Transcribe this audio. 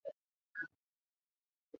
毕业于武汉大学中文专业。